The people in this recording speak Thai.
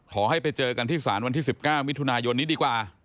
ขอให้ไปเจอกันที่ศาลวันที่๑๙มิถุนายนนี้ดีกว่า